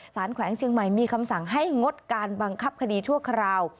แขวงเชียงใหม่มีคำสั่งให้งดการบังคับคดีชั่วคราว